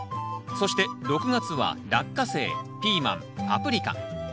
そして６月はラッカセイピーマンパプリカ。